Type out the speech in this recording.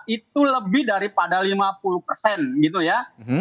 itu lebih daripada lima puluh persen gitu ya